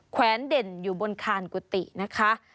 แวนเด่นอยู่บนคานกุฏินะคะ